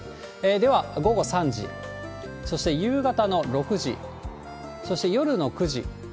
では、午後３時、そして夕方の６時、そして夜の９時。